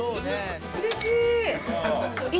うれしい。